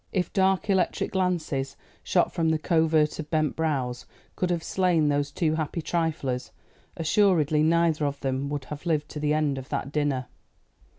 If dark electric glances shot from the covert of bent brows could have slain those two happy triflers, assuredly neither of them would have lived to the end of that dinner.